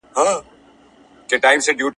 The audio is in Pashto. څنګه د کورنۍ ملاتړ ذهني ناروغۍ کموي؟